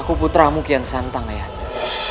aku putramu kian santang ayahanda